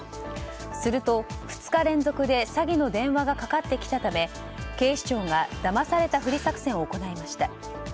すると、２日連続で詐欺の電話がかかってきたため警視庁がだまされたふり作戦を行いました。